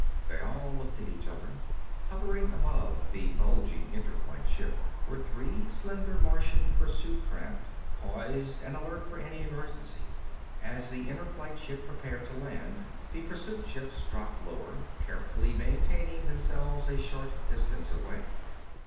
They all looked at each other. Hovering above the bulging Inner Flight ship were three slender Martian pursuit craft, poised and alert for any emergency. As the Inner Flight ship prepared to land the pursuit ships dropped lower, carefully maintaining themselves a short distance away.